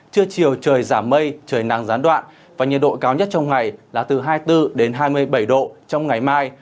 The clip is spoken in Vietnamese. trưa chiều trời giảm mây trời nắng gián đoạn và nhiệt độ cao nhất trong ngày là từ hai mươi bốn hai mươi bảy độ trong ngày mai